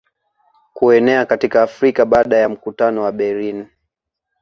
Kuenea katika Afrika baada ya mkutano wa Berlin